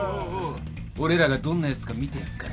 俺らがどんなやつか見てやっからよ。